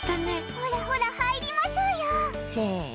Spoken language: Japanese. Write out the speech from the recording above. ほらほら、入りましょうよ。